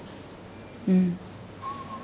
うん。